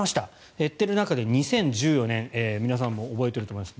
減っている中で２０１４年皆さんも覚えていると思います